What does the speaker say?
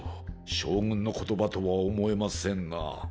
将軍の言葉とは思えませんな。